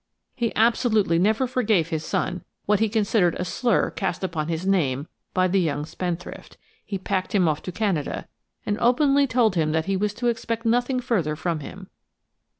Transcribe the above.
He absolutely never forgave his son what he considered a slur cast upon his name by the young spendthrift; he packed him off to Canada, and openly told him that he was to expect nothing further from him.